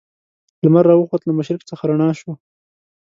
لمر را وخوت له مشرق څخه رڼا شوه.